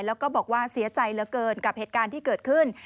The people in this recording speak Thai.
แล้วก็บอกว่าเสียใจเหลือเกินกับเหตุการณ์ที่เกิดขึ้น